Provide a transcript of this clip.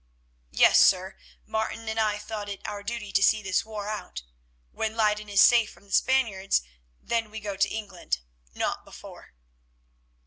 "Yes, sir, Martin and I thought it our duty to see this war out. When Leyden is safe from the Spaniards, then we go to England, not before."